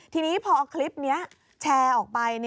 ทีนี้พอคลิปนี้แชร์ออกไป